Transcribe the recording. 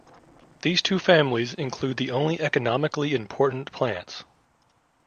These two families include the only economically important plants.